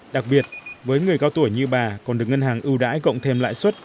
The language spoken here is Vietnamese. đặc biệt với người cao tuổi như bà còn được ngân hàng ưu đãi cộng thêm lãi suất